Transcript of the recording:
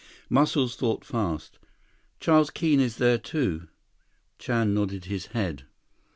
Muscles thought fast. "Charles Keene is there, too?" 164 Chan nodded his head.